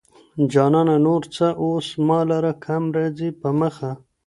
جانانه ! نور څه اوس ما لره کم راځي په مخه